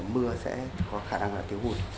mưa sẽ có khả năng là tiêu hụt